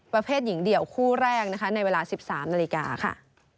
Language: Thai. ประเภทหญิงเดี่ยวคู่แรกนะคะในเวลา๑๓นาฬิกาค่ะ